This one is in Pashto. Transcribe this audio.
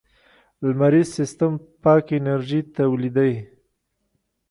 لمریز سیستم پاک انرژي تولیدوي.